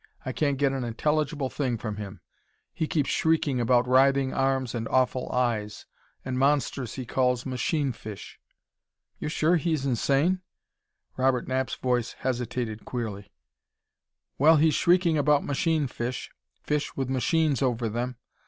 I can't get an intelligible thing from him; he keeps shrieking about writhing arms and awful eyes and monsters he calls 'machine fish'!" "You're sure he's insane?" Robert Knapp's voice hesitated queerly. "Well, he's shrieking about 'machine fish' fish with machines over them!...